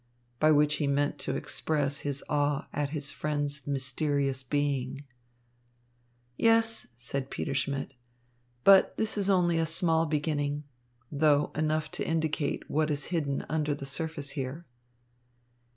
By which he meant to express his awe at his friend's mysterious being. "Yes," said Peter Schmidt, "but this is only a small beginning, though enough to indicate what is hidden under the surface here."